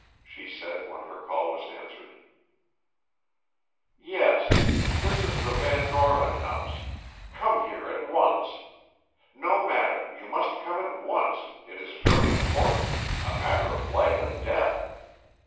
she said when her call was answered. "Yes; this is the Van Norman house. Come here at once. ... No matter; you must come at once—it is very important—a matter of life and death. ...